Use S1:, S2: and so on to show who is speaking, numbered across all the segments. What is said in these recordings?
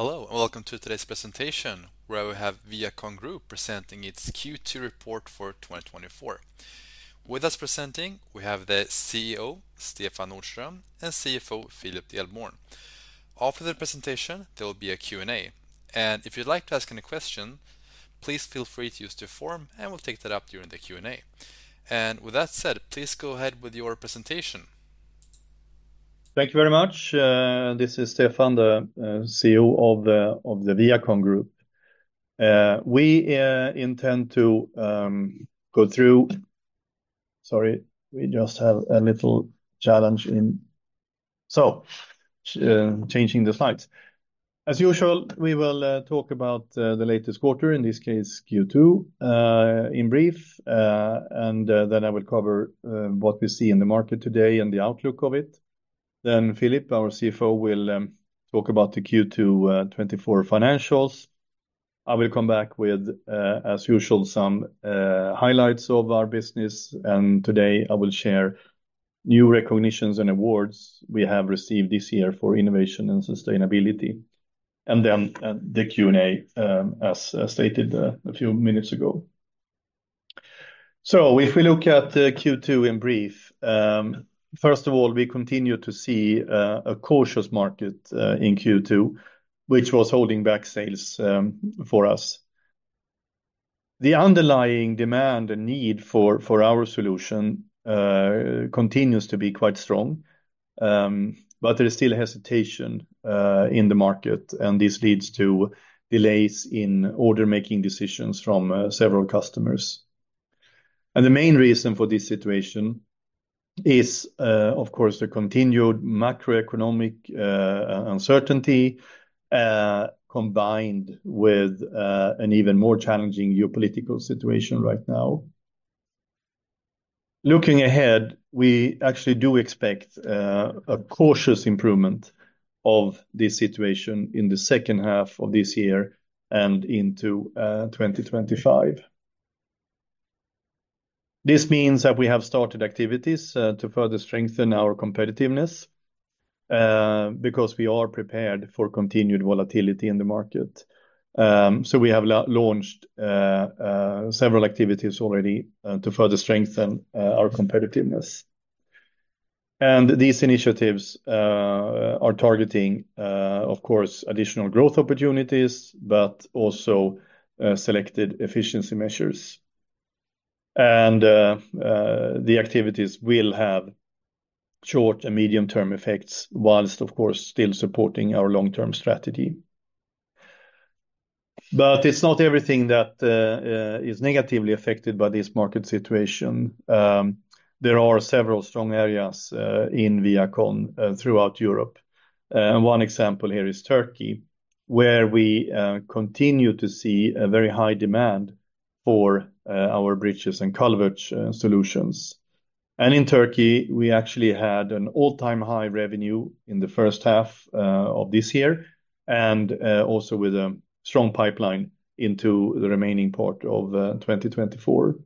S1: Hello, and welcome to today's presentation, where we have ViaCon Group presenting its Q2 report for 2024. With us presenting, we have the CEO, Stefan Nordström, and CFO, Philip Delborn. After the presentation, there will be a Q&A. And if you'd like to ask any question, please feel free to use the form, and we'll take that up during the Q&A. And with that said, please go ahead with your presentation.
S2: Thank you very much. This is Stefan, the CEO of the ViaCon Group. We intend to go through. Sorry, we just have a little challenge in changing the slides. As usual, we will talk about the latest quarter, in this case, Q2, in brief. And then I will cover what we see in the market today and the outlook of it. Then Philip, our CFO, will talk about the Q2 2024 financials. I will come back with, as usual, some highlights of our business, and today I will share new recognitions and awards we have received this year for innovation and sustainability, and then the Q&A, as stated a few minutes ago. So if we look at the Q2 in brief, first of all, we continue to see a cautious market in Q2, which was holding back sales for us. The underlying demand and need for our solution continues to be quite strong, but there is still hesitation in the market, and this leads to delays in order-making decisions from several customers. The main reason for this situation is, of course, the continued macroeconomic uncertainty combined with an even more challenging geopolitical situation right now. Looking ahead, we actually do expect a cautious improvement of this situation in the second half of this year and into 2025. This means that we have started activities to further strengthen our competitiveness because we are prepared for continued volatility in the market. So we have launched several activities already to further strengthen our competitiveness. And these initiatives are targeting, of course, additional growth opportunities, but also selected efficiency measures. And the activities will have short and medium-term effects, while, of course, still supporting our long-term strategy. But it's not everything that is negatively affected by this market situation. There are several strong areas in ViaCon throughout Europe. One example here is Turkey, where we continue to see a very high demand for our Bridges and Culverts Solutions. And in Turkey, we actually had an all-time high revenue in the first half of this year, and also with a strong pipeline into the remaining part of twenty twenty-four.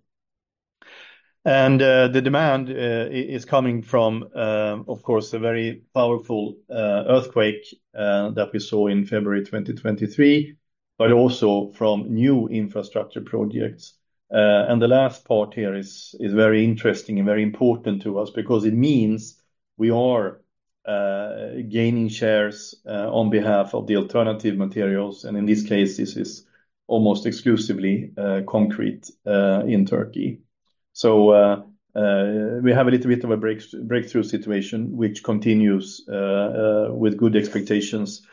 S2: The demand is coming from, of course, a very powerful earthquake that we saw in February 2023, but also from new infrastructure projects. The last part here is very interesting and very important to us because it means we are gaining shares on behalf of the alternative materials, and in this case, this is almost exclusively concrete in Turkey. We have a little bit of a breakthrough situation, which continues with good expectations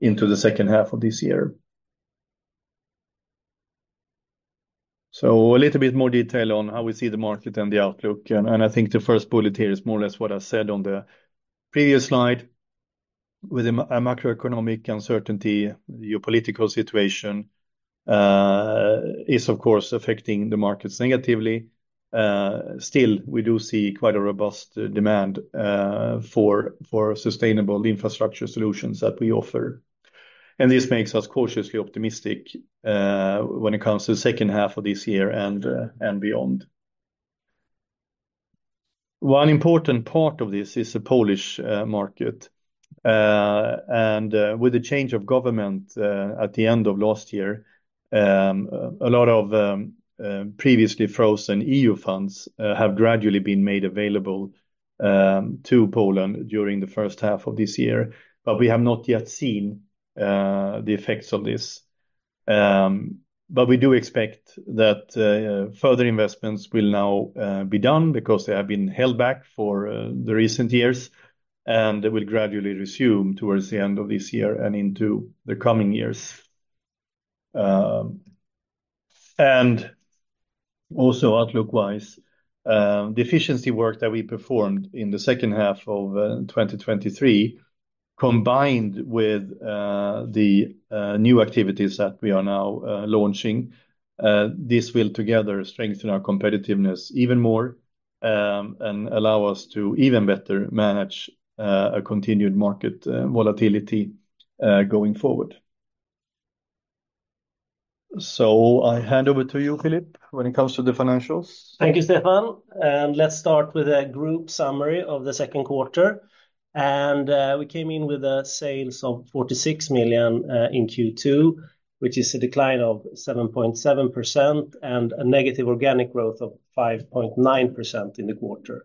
S2: into the second half of this year. A little bit more detail on how we see the market and the outlook, and I think the first bullet here is more or less what I said on the previous slide. With a macroeconomic uncertainty, geopolitical situation is of course affecting the markets negatively. Still, we do see quite a robust demand for sustainable infrastructure solutions that we offer, and this makes us cautiously optimistic when it comes to the second half of this year and beyond. One important part of this is the Polish market, and with the change of government at the end of last year, a lot of previously frozen EU funds have gradually been made available to Poland during the first half of this year, but we have not yet seen the effects of this, but we do expect that further investments will now be done because they have been held back for the recent years, and they will gradually resume towards the end of this year and into the coming years. And also, outlook-wise, the efficiency work that we performed in the second half of 2023, combined with the new activities that we are now launching, this will together strengthen our competitiveness even more, and allow us to even better manage a continued market volatility going forward. So I hand over to you, Philip, when it comes to the financials.
S3: Thank you, Stefan. Let's start with a group summary of the second quarter. And we came in with sales of 46 million in Q2, which is a decline of 7.7% and a negative organic growth of 5.9% in the quarter.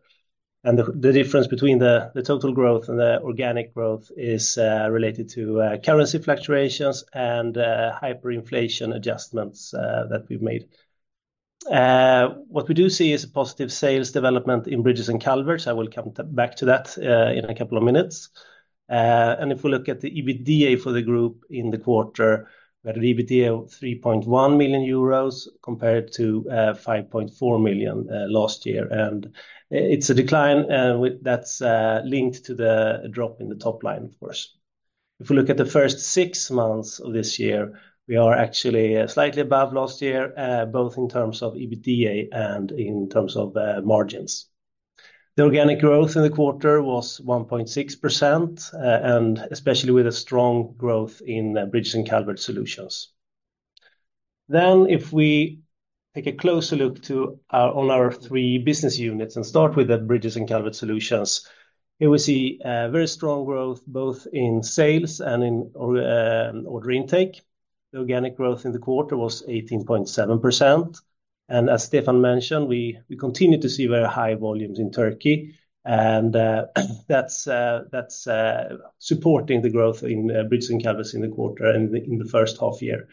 S3: And the difference between the total growth and the organic growth is related to currency fluctuations and hyperinflation adjustments that we've made. What we do see is a positive sales development in Bridges and Culverts. I will come back to that in a couple of minutes. And if we look at the EBITDA for the group in the quarter, we had an EBITDA of 3.1 million euros compared to 5.4 million last year. It's a decline with that is linked to the drop in the top line, of course. If we look at the first six months of this year, we are actually slightly above last year both in terms of EBITDA and in terms of margins. The organic growth in the quarter was 1.6%, and especially with a strong growth in Bridges and Culverts Solutions. If we take a closer look at our three business units and start with the Bridges and Culverts Solutions, here we see a very strong growth, both in sales and order intake. The organic growth in the quarter was 18.7%. And as Stefan mentioned, we continue to see very high volumes in Turkey, and that's supporting the growth in Bridges and Culverts in the quarter and in the first half year.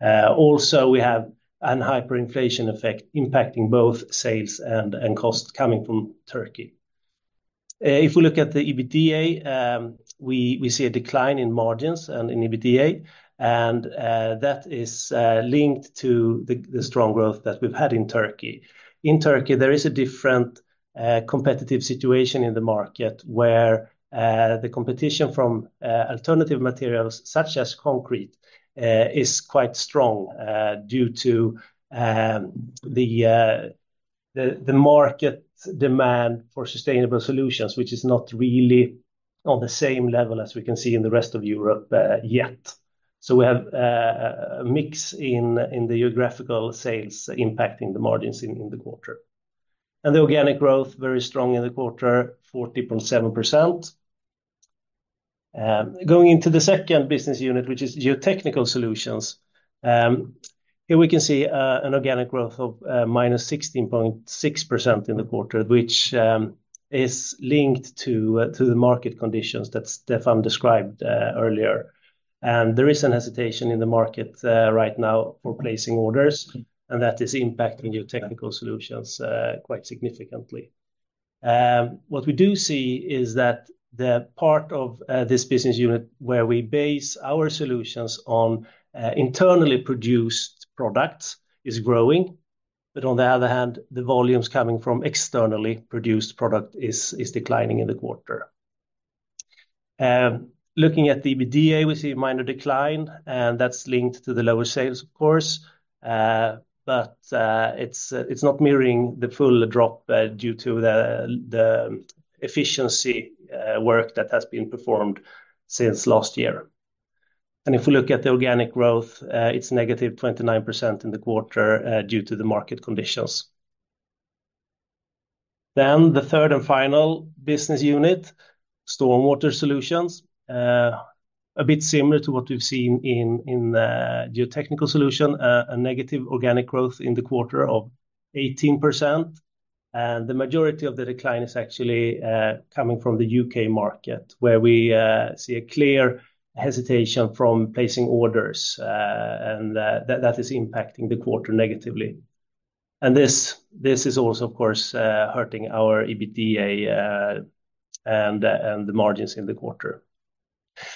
S3: Also, we have a hyperinflation effect impacting both sales and costs coming from Turkey. If we look at the EBITDA, we see a decline in margins and in EBITDA, and that is linked to the strong growth that we've had in Turkey. In Turkey, there is a different competitive situation in the market, where the competition from alternative materials, such as concrete, is quite strong due to the market demand for sustainable solutions, which is not really on the same level as we can see in the rest of Europe yet. We have a mix in the geographical sales impacting the margins in the quarter, and the organic growth very strong in the quarter, 14.7%. Going into the second business unit, which is GeoTechnical Solutions, here we can see an organic growth of -16.6% in the quarter, which is linked to the market conditions that Stefan described earlier, and there is a hesitation in the market right now for placing orders, and that is impacting GeoTechnical Solutions quite significantly. What we do see is that the part of this business unit where we base our solutions on internally produced products is growing. But on the other hand, the volumes coming from externally produced product is declining in the quarter. Looking at the EBITDA, we see a minor decline, and that's linked to the lower sales, of course, but it's not mirroring the full drop due to the efficiency work that has been performed since last year, and if we look at the organic growth, it's -29% in the quarter due to the market conditions, then the third and final business unit, StormWater Solutions, a bit similar to what we've seen in GeoTechnical Solutions, a negative organic growth in the quarter of 18%. And the majority of the decline is actually coming from the U.K. market, where we see a clear hesitation from placing orders, and that is impacting the quarter negatively. This is also, of course, hurting our EBITDA and the margins in the quarter.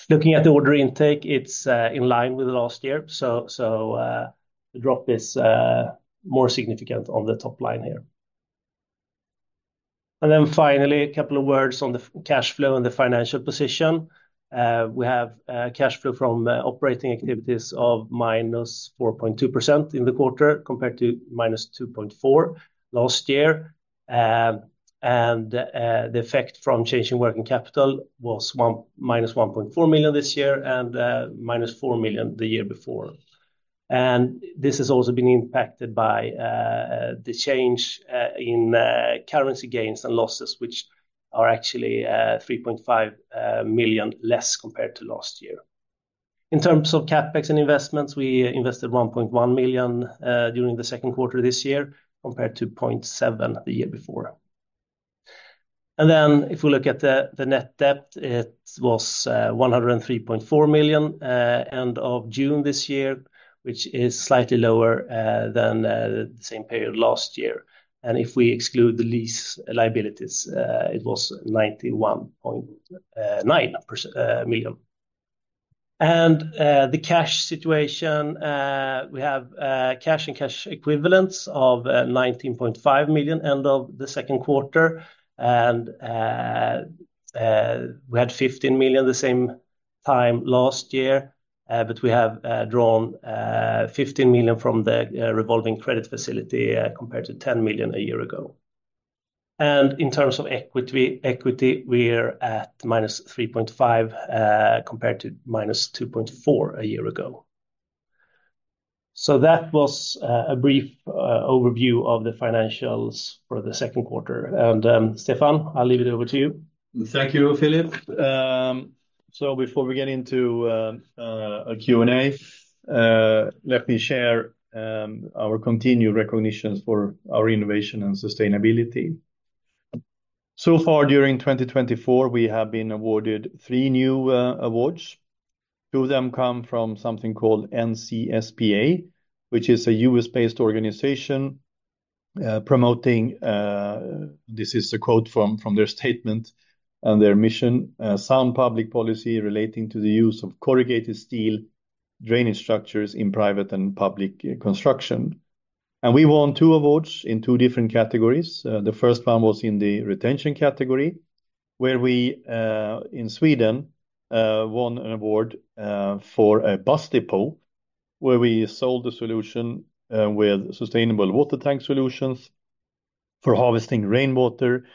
S3: Looking at the order intake, it's in line with last year, so the drop is more significant on the top line here. Finally, a couple of words on the cash flow and the financial position. We have cash flow from operating activities of -4.2% in the quarter, compared to -2.4% last year. And the effect from changing working capital was -1.4 million this year and -4 million the year before. This has also been impacted by the change in currency gains and losses, which are actually 3.5 million less compared to last year. In terms of CapEx and investments, we invested 1.1 million during the second quarter this year, compared to 0.7 the year before. If we look at the net debt, it was 103.4 million end of June this year, which is slightly lower than the same period last year. If we exclude the lease liabilities, it was 91.9 million. The cash situation, we have cash and cash equivalents of 19.5 million end of the second quarter. And we had 15 million the same time last year, but we have drawn 15 million from the revolving credit facility, compared to 10 million a year ago. And in terms of equity, we're at -3.5, compared to -2.4 a year ago. So that was a brief overview of the financials for the second quarter. And Stefan, I'll leave it over to you.
S2: Thank you, Philip. So before we get into a Q&A, let me share our continued recognitions for our innovation and sustainability. So far, during 2024, we have been awarded three new awards. Two of them come from something called NCSPA, which is a U.S.-based organization promoting this is a quote from their statement and their mission, "Sound public policy relating to the use of corrugated steel drainage structures in private and public construction." And we won two awards in two different categories. The first one was in the retention category, where we in Sweden won an award for a bus depot, where we sold the solution with sustainable water tank solutions for harvesting rainwater,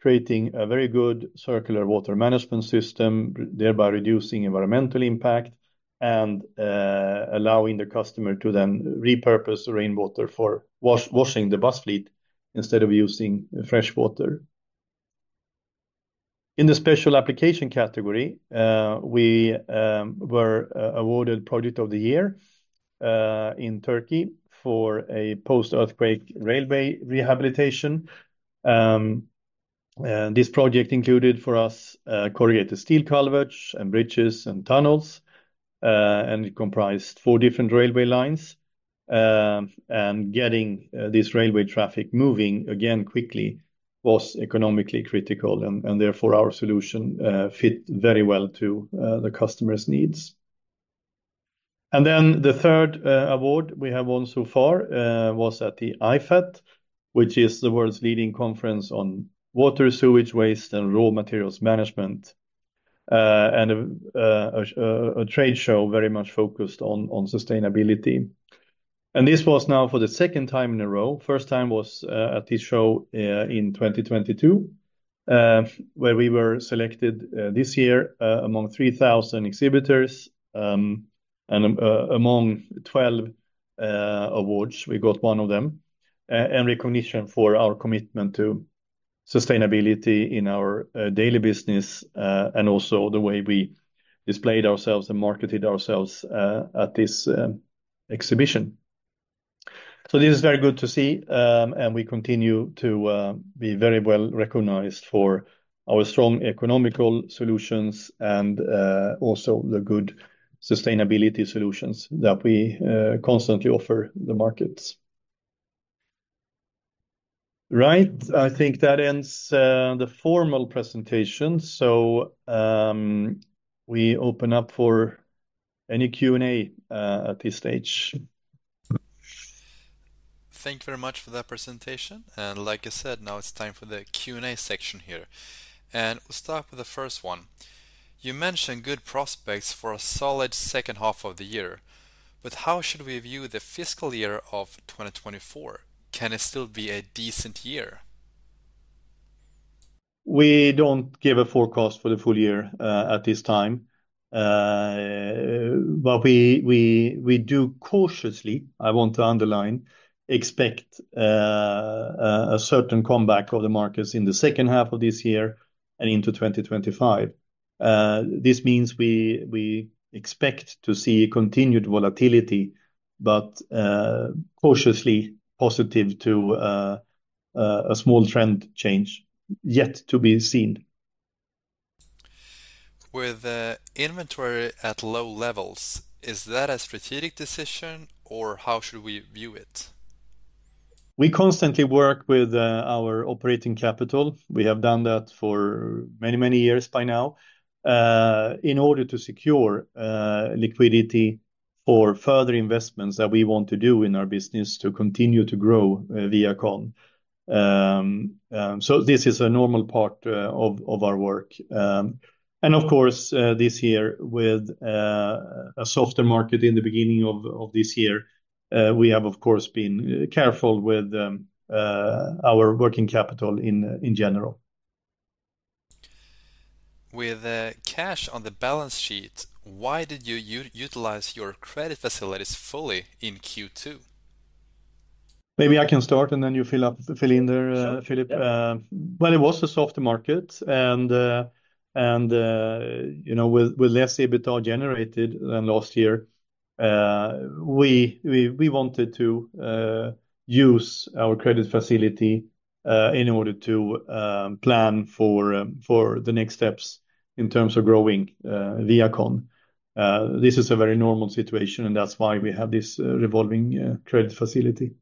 S2: creating a very good circular water management system, thereby reducing environmental impact and allowing the customer to then repurpose the rainwater for washing the bus fleet instead of using fresh water. In the special application category, we were awarded Project of the Year in Turkey for a post-earthquake railway rehabilitation. And this project included for us corrugated steel culverts and bridges and tunnels, and it comprised four different railway lines. And getting this railway traffic moving again quickly was economically critical, and therefore, our solution fit very well to the customer's needs. Then the third award we have won so far was at the IFAT, which is the world's leading conference on water, sewage, waste, and raw materials management, and a trade show very much focused on sustainability. This was now for the second time in a row. First time was at this show in 2022, where we were selected this year among 3,000 exhibitors, and among 12 awards, we got one of them, and recognition for our commitment to sustainability in our daily business, and also the way we displayed ourselves and marketed ourselves at this exhibition. So this is very good to see, and we continue to be very well-recognized for our strong economical solutions and also the good sustainability solutions that we constantly offer the markets. Right, I think that ends the formal presentation. So, we open up for any Q&A at this stage.
S1: Thank you very much for that presentation. Like I said, now it's time for the Q&A section here. We'll start with the first one. You mentioned good prospects for a solid second half of the year, but how should we view the fiscal year of 2024? Can it still be a decent year?
S2: We don't give a forecast for the full year at this time, but we do cautiously, I want to underline, expect a certain comeback of the markets in the second half of this year and into 2025. This means we expect to see continued volatility, but cautiously positive to a small trend change yet to be seen.
S1: With the inventory at low levels, is that a strategic decision, or how should we view it?
S2: We constantly work with our operating capital. We have done that for many, many years by now, in order to secure liquidity for further investments that we want to do in our business to continue to grow ViaCon, so this is a normal part of our work, and of course, this year with a softer market in the beginning of this year, we have, of course, been careful with our working capital in general.
S1: With cash on the balance sheet, why did you utilize your credit facilities fully in Q2?
S2: Maybe I can start, and then you fill up, fill in there, Philip.
S3: Sure.
S2: Well, it was a softer market, and you know, with less EBITDA generated than last year, we wanted to use our credit facility in order to plan for the next steps in terms of growing ViaCon. This is a very normal situation, and that's why we have this revolving credit facility.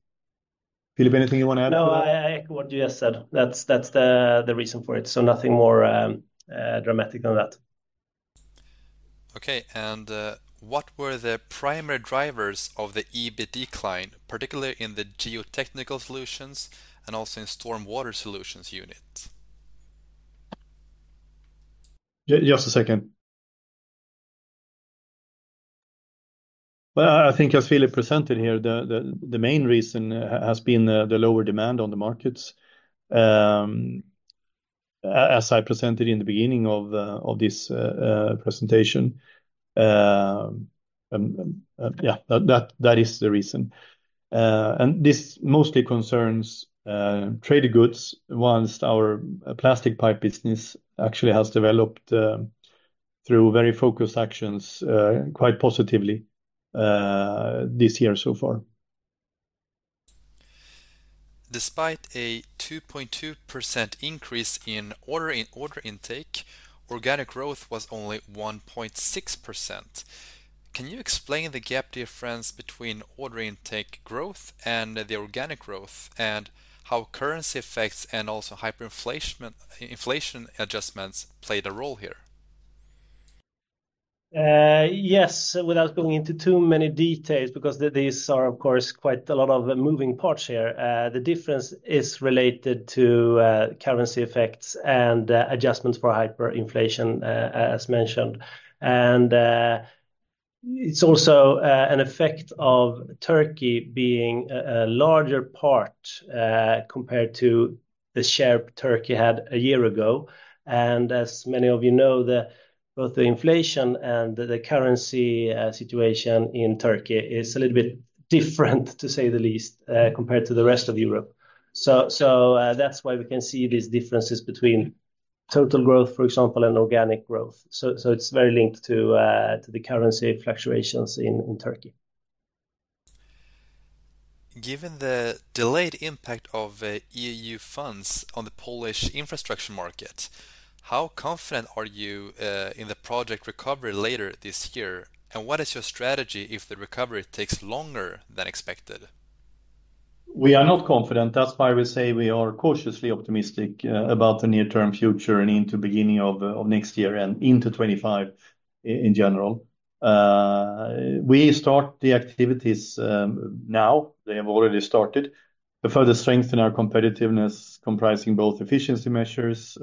S2: Philip, anything you want to add?
S3: No, I echo what you just said. That's the reason for it, so nothing more dramatic than that.
S1: Okay, and what were the primary drivers of the EBIT decline, particularly in the GeoTechnical Solutions and also in the StormWater Solutions unit?
S2: Well, I think as Philip presented here, the main reason has been the lower demand on the markets. As I presented in the beginning of this presentation, that is the reason. And this mostly concerns traded goods, whilst our plastic pipe business actually has developed quite positively this year so far.
S1: Despite a 2.2% increase in order intake, organic growth was only 1.6%. Can you explain the gap difference between order intake growth and the organic growth, and how currency effects and also hyperinflation adjustments played a role here?
S3: Yes, without going into too many details, because these are, of course, quite a lot of moving parts here. The difference is related to currency effects and adjustments for hyperinflation, as mentioned. And it's also an effect of Turkey being a larger part compared to the share Turkey had a year ago. And as many of you know, both the inflation and the currency situation in Turkey is a little bit different, to say the least, compared to the rest of Europe. So that's why we can see these differences between total growth, for example, and organic growth. So it's very linked to the currency fluctuations in Turkey.
S1: Given the delayed impact of EU funds on the Polish infrastructure market, how confident are you in the project recovery later this year? And what is your strategy if the recovery takes longer than expected?
S2: We are not confident. That's why we say we are cautiously optimistic about the near-term future and into beginning of of next year and into 2025 in general. We start the activities now, they have already started, to further strengthen our competitiveness, comprising both efficiency measures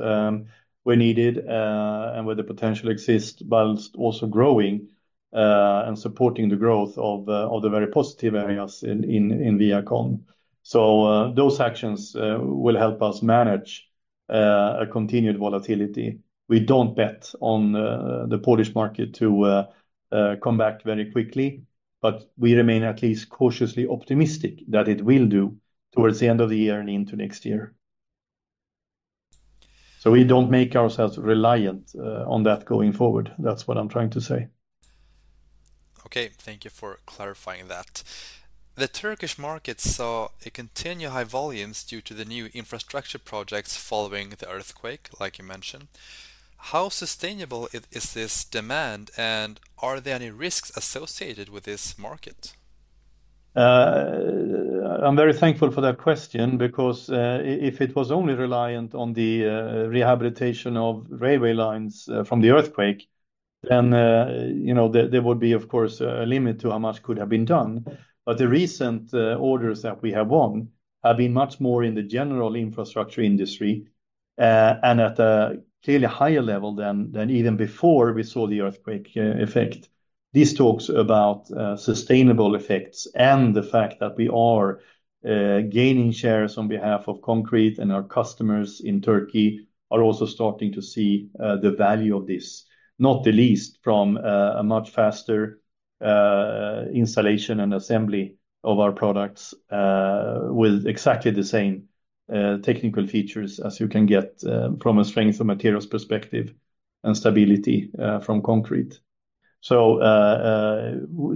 S2: where needed and where the potential exists, while also growing and supporting the growth of the of the very positive areas in in in ViaCon. So those actions will help us manage a continued volatility. We don't bet on the Polish market to come back very quickly, but we remain at least cautiously optimistic that it will do towards the end of the year and into next year. So we don't make ourselves reliant on that going forward. That's what I'm trying to say.
S1: Okay, thank you for clarifying that. The Turkish market saw a continued high volumes due to the new infrastructure projects following the earthquake, like you mentioned. How sustainable is this demand, and are there any risks associated with this market?
S2: I'm very thankful for that question, because, if it was only reliant on the rehabilitation of railway lines from the earthquake, then, you know, there would be, of course, a limit to how much could have been done. But the recent orders that we have won have been much more in the general infrastructure industry, and at a clearly higher level than even before we saw the earthquake effect. This talks about sustainable effects and the fact that we are gaining shares on behalf of concrete, and our customers in Turkey are also starting to see the value of this. Not the least from a much faster installation and assembly of our products with exactly the same technical features as you can get from a strength and materials perspective, and stability from concrete.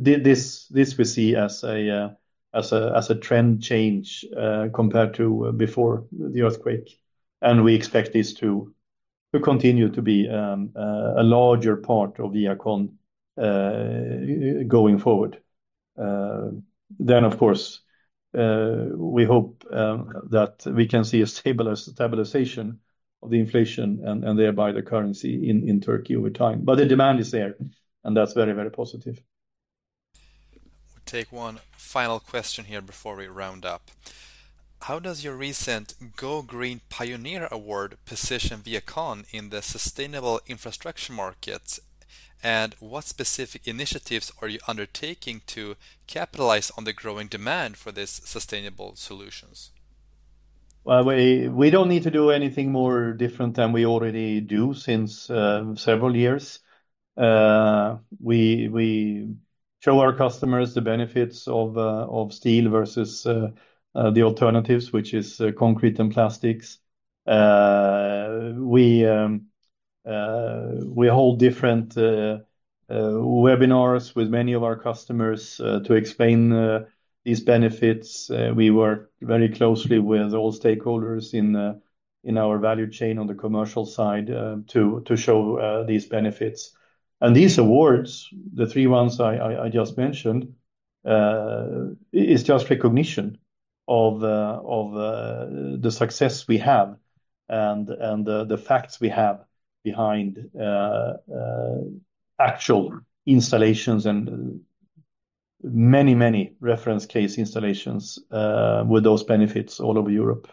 S2: This we see as a trend change compared to before the earthquake, and we expect this to continue to be a larger part of ViaCon going forward. Of course, we hope that we can see a stabilization of the inflation and thereby the currency in Turkey over time. The demand is there, and that's very, very positive.
S1: We take one final question here before we round up. How does your recent Go Green Pioneer Award position ViaCon in the sustainable infrastructure markets, and what specific initiatives are you undertaking to capitalize on the growing demand for these sustainable solutions?
S2: We don't need to do anything more different than we already do since several years. We show our customers the benefits of steel versus the alternatives, which is concrete and plastics. We hold different webinars with many of our customers to explain these benefits. We work very closely with all stakeholders in our value chain on the commercial side to show these benefits. And these awards, the three ones I just mentioned, is just recognition of the success we have and the facts we have behind actual installations and many reference case installations with those benefits all over Europe.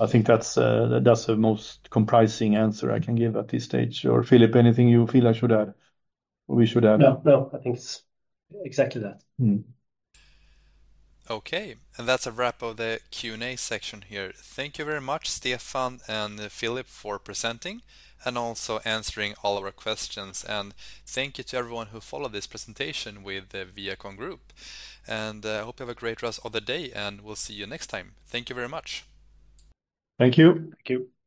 S2: I think that's the most comprehensive answer I can give at this stage. Or, Philip, anything you feel I should add or we should add?
S3: No, no, I think it's exactly that.
S2: Mm-hmm.
S1: Okay, and that's a wrap of the Q&A section here. Thank you very much, Stefan and Philip, for presenting and also answering all of our questions. And thank you to everyone who followed this presentation with the ViaCon Group. I hope you have a great rest of the day, and we'll see you next time. Thank you very much.
S2: Thank you.
S3: Thank you.